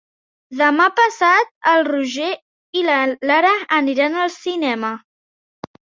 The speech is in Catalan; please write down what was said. Demà passat en Roger i na Lara aniran al cinema.